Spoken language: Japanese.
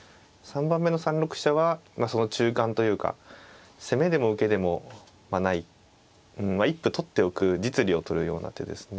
３番目の３六飛車はその中間というか攻めでも受けでもまあない一歩取っておく実利をとるような手ですね。